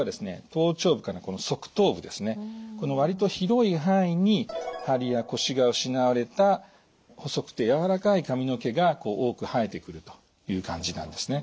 頭頂部からこの側頭部ですねこの割と広い範囲にハリやコシが失われた細くてやわらかい髪の毛が多く生えてくるという感じなんですね。